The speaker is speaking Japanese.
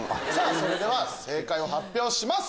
それでは正解を発表します。